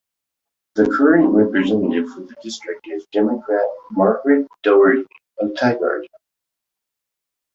The current representative for the district is Democrat Margaret Doherty of Tigard.